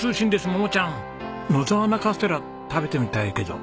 桃ちゃん野沢菜カステラ食べてみたいけど。